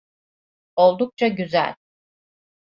Oldukça güzel.